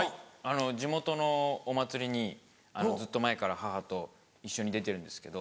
地元のお祭りにずっと前から母と一緒に出てるんですけど。